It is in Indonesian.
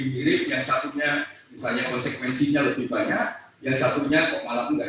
dengan waktu yang kurang mirip yang satunya konsekuensinya lebih banyak yang satunya kok malah tidak